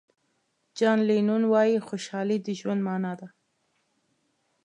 جان لینون وایي خوشحالي د ژوند معنا ده.